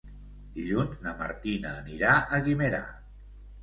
Dilluns na Martina anirà a Guimerà.